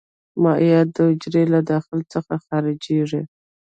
مایعات د حجرې له داخل څخه خارجيږي.